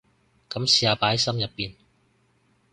噉試下擺喺心入面